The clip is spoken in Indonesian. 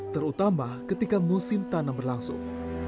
terutama ketika musim tanam berlangsung